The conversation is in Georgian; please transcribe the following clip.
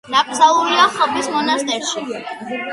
დაკრძალულია ხობის მონასტერში.